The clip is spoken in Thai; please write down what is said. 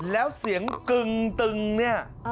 แล้วเสียงกึ่งตึงเนี่ย